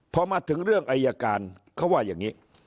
พอมาถึงเรื่องอายการเขาว่าอย่างนี้